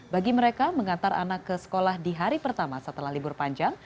bagi mereka mengantar anak ke sekolah di hari pertama setelah libur panjang